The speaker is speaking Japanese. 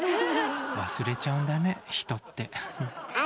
忘れちゃうんだね人って。